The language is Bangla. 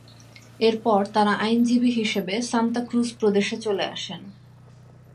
এরপর তারা আইনজীবী হিসেবে সান্তা ক্রুজ প্রদেশে চলে আসেন।